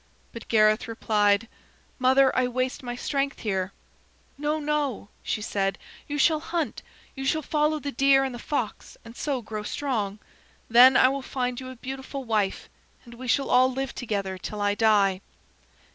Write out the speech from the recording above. But Gareth replied: "Mother, I waste my strength here." "No, no," she said. "You shall hunt; you shall follow the deer and the fox, and so grow strong. Then I will find you a beautiful wife, and we shall all live together till I die."